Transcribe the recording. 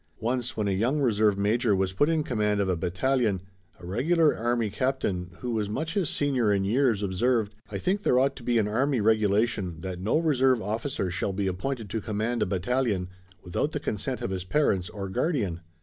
Once when a young reserve major was put in command of a battalion, a regular army captain who was much his senior in years observed: "I think there ought to be an army regulation that no reserve officer shall be appointed to command a battalion without the consent of his parents or guardian."